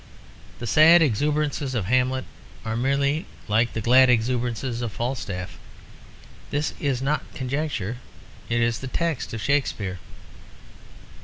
The sad exuberances of Hamlet are merely like the glad exuberances of Falstaff. This is not conjecture; it is the text of Shakespeare.